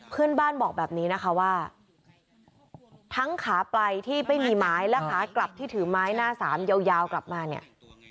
เพื่อนบ้านบอกแบบนี้นะคะว่าทั้งขาไปที่ไม่มีไม้และขากลับที่ถือไม้หน้าสามยาวกลับมาเนี่ย